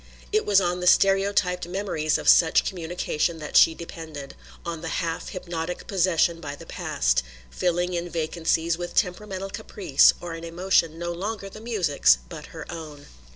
It was on the stereotyped memories of such communication that she depended, on the half hypnotic possession by the past; filling in vacancies with temperamental caprice or an emotion no longer the music's but her own.